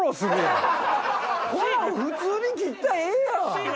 普通に切ったらええやん。